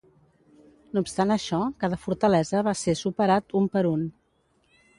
No obstant això, cada fortalesa va ser superat un per un.